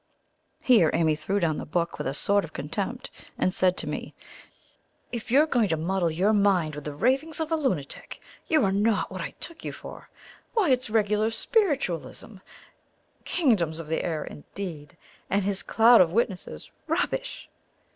'" Here Amy threw down the book with a sort of contempt, and said to me: "If you are going to muddle your mind with the ravings of a lunatic, you are not what I took you for. Why, it's regular spiritualism! Kingdoms of the air indeed! And his cloud of witnesses! Rubbish!"